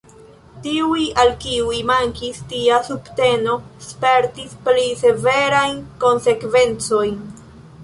Tiuj, al kiuj mankis tia subteno, spertis pli severajn konsekvencojn.